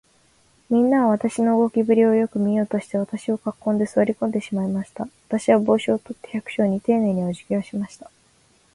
みんなは、私の動きぶりをよく見ようとして、私を囲んで、坐り込んでしまいました。私は帽子を取って、百姓にていねいに、おじぎをしました。